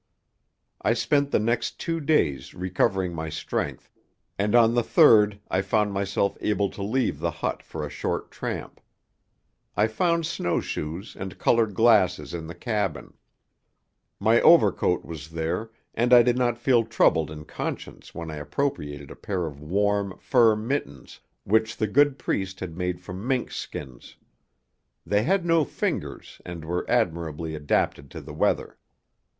I spent the next two days recovering my strength, and on the third I found myself able to leave the hut for a short tramp. I found snow shoes and coloured glasses in the cabin; my overcoat was there, and I did not feel troubled in conscience when I appropriated a pair of warm fur mittens which the good priest had made from mink skins. They had no fingers, and were admirably adapted to the weather.